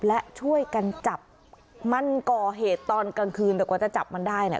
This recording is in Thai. และช่วยกันจับมันก่อเหตุตอนกลางคืนแต่กว่าจะจับมันได้เนี่ย